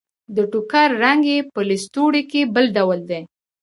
د ټوکر رنګ يې په لستوڼي کې بل ډول دی.